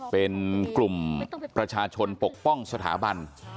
เป็นกลุ่มประชาชนปกป้องสถาบัน